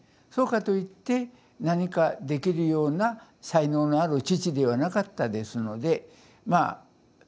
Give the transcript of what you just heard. そうかといって何かできるような才能のある父ではなかったですのでまあ